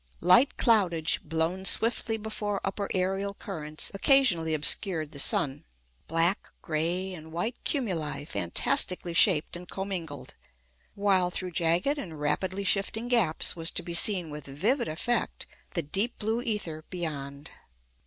Light cloudage, blown swiftly before upper aerial currents, occasionally obscured the sun, black, gray, and white cumuli fantastically shaped and commingled, while through jagged and rapidly shifting gaps was to be seen with vivid effect, the deep blue ether beyond.